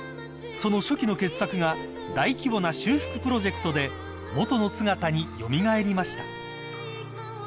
［その初期の傑作が大規模な修復プロジェクトで元の姿に蘇りました］